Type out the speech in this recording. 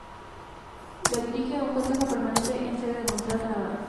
La dirige un consejo permanente con sede en Montreal, Canadá.